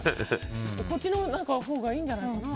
こっちのほうがいいんじゃないかな。